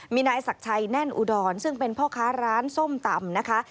มีนายศักดิ์ชัยแน่นอุดรซึ่งเป็นพ่อค้าร้านส้มตำนะคะ